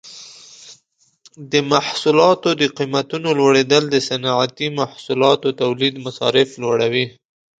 د محصولاتو د قیمتونو لوړیدل د صنعتي محصولاتو تولید مصارف لوړوي.